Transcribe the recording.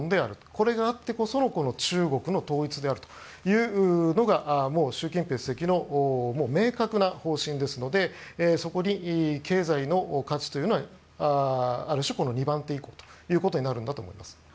これがあってこその中国の統一であるというのがもう習近平主席の明確な方針ですのでそこに経済の価値というのはある種、二番手ということになると思います。